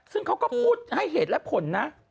ซึ่งเขาก็พูดให้เหตุและผลนะ